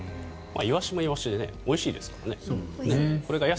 イワシもイワシでおいしいですからね。